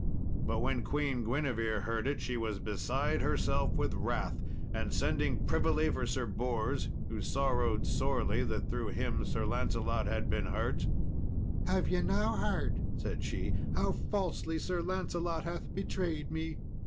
But when Queen Guinevere heard it she was beside herself with wrath, and sending privily for Sir Bors, who sorrowed sorely that through him Sir Lancelot had been hurt "Have ye now heard," said she, "how falsely Sir Lancelot hath betrayed me?"